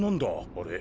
あれ。